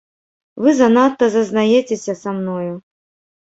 Вы занадта зазнаецеся са мною.